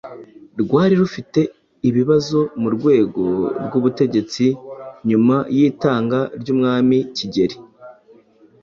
rwari rufite ibibazo mu rwego rw'ubutegetsi nyuma y'itanga ry'umwami Kigeri